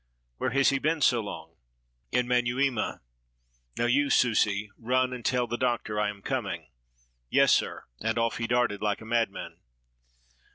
"Where has he been so long?" "In Manyuema." " Now, you Susi, run, and tell the Doctor I am coming." "Yes, sir," and off he darted like a madman.